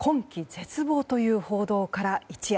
絶望という報道から一夜。